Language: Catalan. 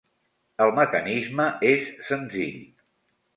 El mecanisme és senzill.